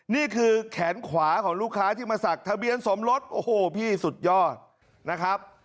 นี่คือแขนขวาของลูกค้าที่มาสักทะเบียนสมรสโอ้โหพี่สุดยอดนะครับ